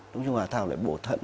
đông trùng hạ thảo lại bổ thận